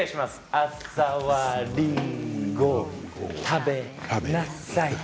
朝はりんごを食べなさい。